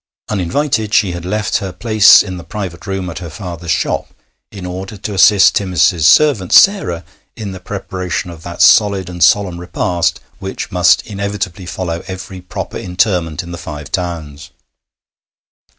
Uninvited, she had left her place in the private room at her father's shop in order to assist Timmis's servant Sarah in the preparation of that solid and solemn repast which must inevitably follow every proper interment in the Five Towns.